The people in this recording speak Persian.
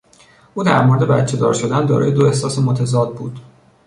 او در مورد بچهدار شدن دارای دو احساس متضاد بود.